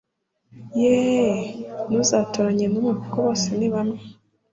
yeee ntuzatoranye n'umwe kuko bose nibamwe